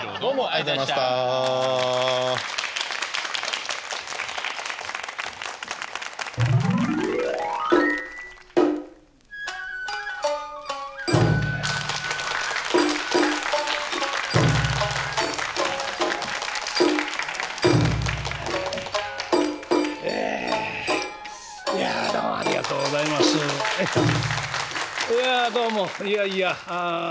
どうもいやいやあ。